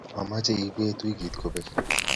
mamechee Ipet wikit kopek.